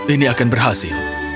ini akan berhasil